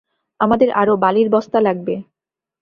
আমাদের আরো বালির বস্তা লাগবে।